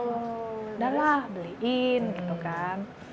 udah lah beliin gitu kan